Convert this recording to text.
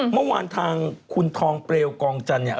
เมื่อวานทางคุณทองเปลวกองจันทร์เนี่ย